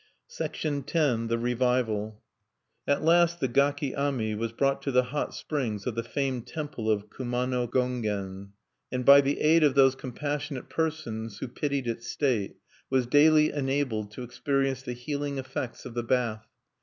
X. THE REVIVAL At last the gaki ami was brought to the hot springs of the famed temple of Kumano Gongen, and, by the aid of those compassionate persons who pitied its state, was daily enabled to experience the healing effects of the bath.